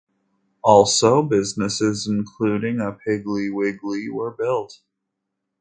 Also, businesses including a Piggly Wiggly were built.